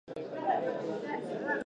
لیکوال په خپلو لیکنو کې دا هیله څرګندوي.